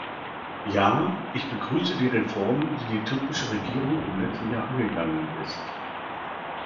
Ja, ich begrüße die Reformen, die die türkische Regierung im letzten Jahr angegangen ist.